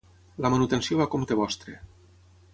La manutenció va a compte vostre.